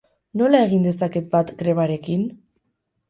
Nola egin dezaket bat grebarekin?